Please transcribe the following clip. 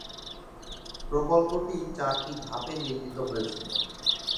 প্রকল্পটি চারটি ধাপে নির্মিত হয়েছিল।